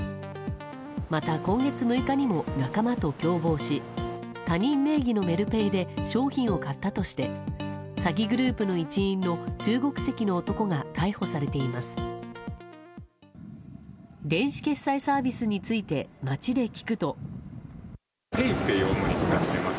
また今月６日にも仲間と共謀し他人名義のメルペイで商品を買ったとして詐欺グループの一員の中国籍の男が逮捕されています。